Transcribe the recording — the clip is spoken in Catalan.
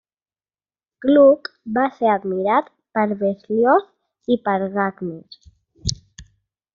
Gluck va ser admirat per Berlioz i per Wagner.